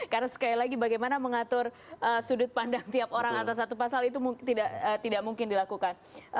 karena sekali lagi bagaimana mengatur sudut pandang tiap orang atas satu pasal itu tidak mungkin dilakukan